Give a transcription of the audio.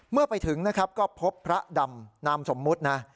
เมื่อไปถึงนะครับก็พบพระดำนามสมมุตินะ